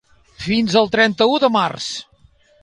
Fins al trenta-u de març.